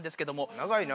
長いな。